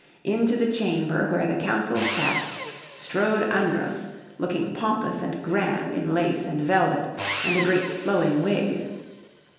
Into the chamber where the Council sat strode Andros looking pompous and grand in lace, and velvet, and a great flowing wig.